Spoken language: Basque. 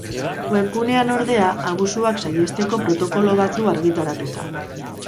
Webgunean, ordea, abusuak saihesteko protokolo bat du argitaratuta.